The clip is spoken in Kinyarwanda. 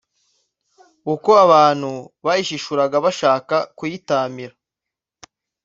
uko abantu bayishishuraga bashaka kuyitamira